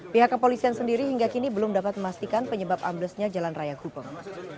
pihak kepolisian sendiri hingga kini belum dapat memastikan penyebab amblesnya jalan raya gubeng